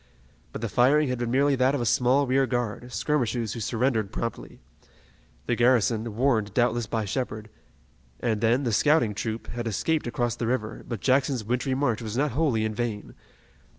But the firing had been merely that of a small rear guard, skirmishers who surrendered promptly. The garrison, warned doubtless by Shepard, and then the scouting troop, had escaped across the river, but Jackson's wintry march was not wholly in vain.